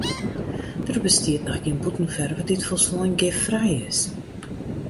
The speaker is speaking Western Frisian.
Der bestiet noch gjin bûtenferve dy't folslein giffrij is.